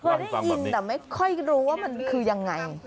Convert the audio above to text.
เคยได้ยินแต่ไม่ค่อยรู้ว่ามันคือยังไง